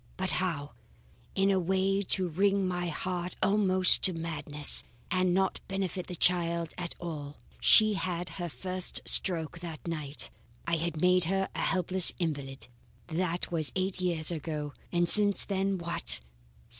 But how? In a way to wring my heart almost to madness, and not benefit the child at all. She had her first stroke that night. I had made her a helpless invalid. "That was eight years ago, and since then what?